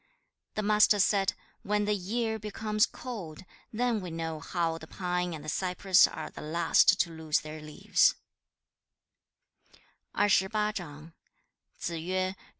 The Master said, 'When the year becomes cold, then we know how the pine and the cypress are the last to lose their leaves.'